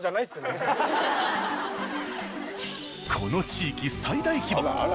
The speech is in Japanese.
この地域最大規模。